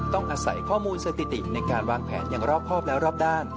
ต้องอาศัยข้อมูลสถิติในการวางแผนอย่างรอบครอบและรอบด้าน